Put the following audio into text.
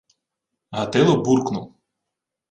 Гатило буркнув: